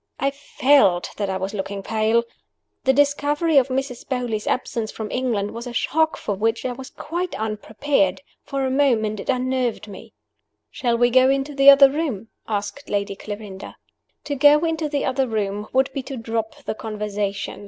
I felt that I was looking pale. The discovery of Mrs. Beauly's absence from England was a shock for which I was quite unprepared. For a moment it unnerved me. "Shall we go into the other room?" asked Lady Clarinda. To go into the other room would be to drop the conversation.